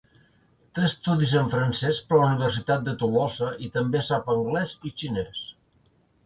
Té estudis en francès per la Universitat de Tolosa i també sap anglès i xinès.